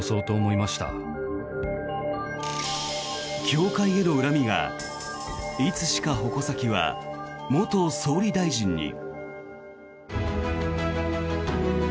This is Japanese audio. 教会への恨みがいつしか矛先は元総理大臣に。